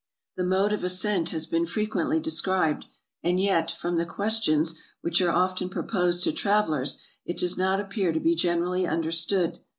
The mode AFRICA 357 of ascent has been frequently described ; and yet, from the questions which are often proposed to travelers, it does not appear to be generally understood.